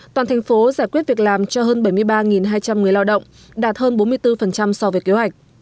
toàn thành phố giải quyết việc làm cho hơn bảy mươi ba hai trăm linh người lao động đạt hơn bốn mươi bốn so với kế hoạch